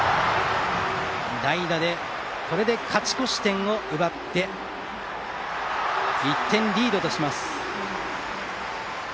これで勝ち越し点を奪って１点リードとします。